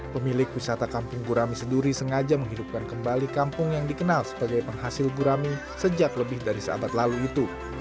pemilik wisata kampung gurami seduri sengaja menghidupkan kembali kampung yang dikenal sebagai penghasil gurami sejak lebih dari seabad lalu itu